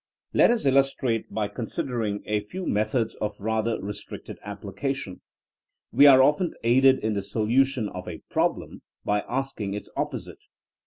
Let us illustrate by considering a few methods of rather restricted application. We are often aided in the solution of a problem by asking its opposite.